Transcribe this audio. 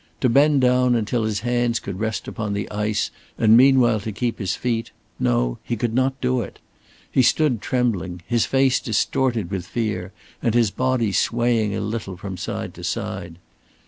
To bend down until his hands could rest upon the ice, and meanwhile to keep his feet no, he could not do it. He stood trembling, his face distorted with fear, and his body swaying a little from side to side.